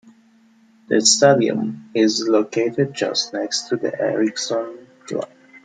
The stadium is located just next to the Ericsson Globe.